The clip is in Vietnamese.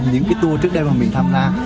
những tour trước đây mà mình tham gia